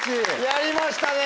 やりましたね！